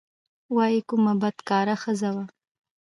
وايي کومه بدکاره ښځه وه.